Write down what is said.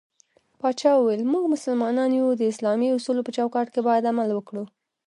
پاچا وويل: موږ مسلمانان يو د اسلامي اصولو په چوکات کې بايد عمل وکړو.